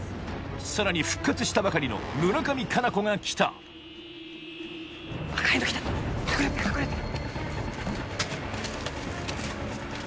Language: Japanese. さらに復活したばかりの村上佳菜子が来た赤いの来たって。